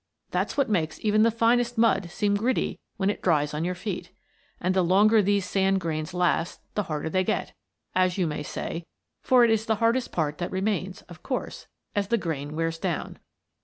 That's what makes even the finest mud seem gritty when it dries on your feet. And the longer these sand grains last the harder they get, as you may say; for it is the hardest part that remains, of course, as the grain wears down.